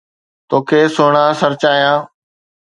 توکي سھڻا سرچايان